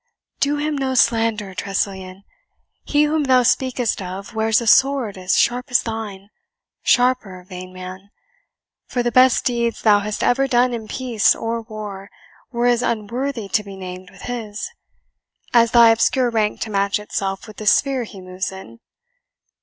"Do him no slander, Tressilian! He whom thou speakest of wears a sword as sharp as thine sharper, vain man; for the best deeds thou hast ever done in peace or war were as unworthy to be named with his, as thy obscure rank to match itself with the sphere he moves in.